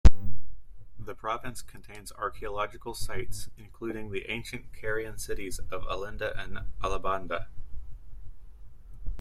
The province contains archeological sites, including the ancient Carian cities of Alinda and Alabanda.